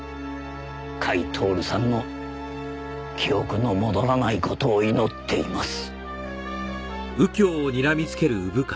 甲斐享さんの記憶の戻らない事を祈っています。